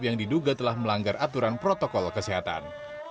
yang diduga telah melanggar aturan protokol kesehatan